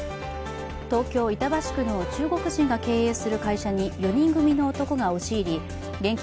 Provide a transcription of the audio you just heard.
東京・板橋区の中国人が経営する会社に４人組の男が押し入り現金